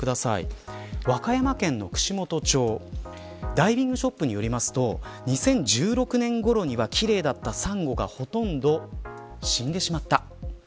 和歌山県の串本町ダイビングショップによりますと２０１６年ごろには奇麗だったサンゴがほとんど死んでしまった。